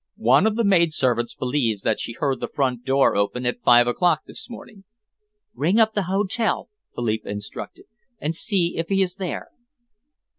One of the maid servants believes that she heard the front door open at five o'clock this morning." "Ring up the hotel," Philippa instructed, "and see if he is there."